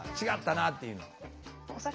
違ったなっていうのは？